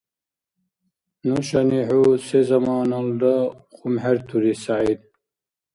Нушани хӀу сезаманалра хъумхӀертури, СягӀид!